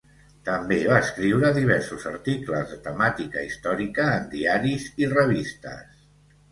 També va escriure diversos articles de temàtica històrica en diaris i revistes.